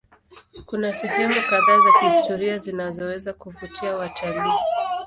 Kuna sehemu kadhaa za kihistoria zinazoweza kuvutia watalii.